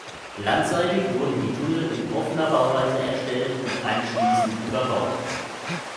Landseitig wurden die Tunnel in offener Bauweise erstellt und anschließend überbaut.